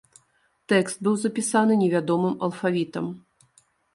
Тэкст быў запісаны невядомым алфавітам.